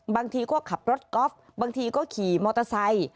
บางทีก็ขับรถกอล์ฟบางทีก็ขี่มอเตอร์ไซค์